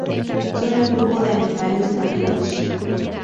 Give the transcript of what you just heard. Son un grupo de animales marinos.